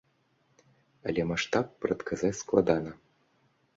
Але маштаб прадказаць складана.